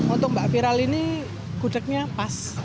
untuk mbak viral ini gudegnya pas